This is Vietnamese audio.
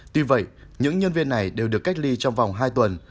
tuy vậy những nhân viên này đều được cách ly trong vòng hai tuần